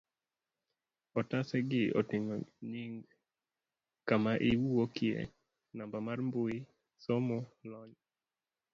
otase go oting'o nying, kama iwuokye, namba mar mbui, somo, lony